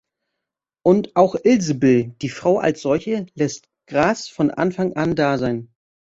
Und auch Ilsebill, die Frau als solche, lässt Grass „von Anfang an da“ sein.